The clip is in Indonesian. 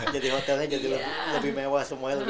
jadi hotelnya jadi lebih mewah